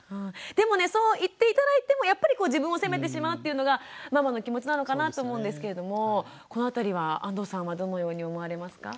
でもねそう言って頂いてもやっぱり自分を責めてしまうっていうのがママの気持ちなのかなと思うんですけれどもこのあたりは安藤さんはどのように思われますか？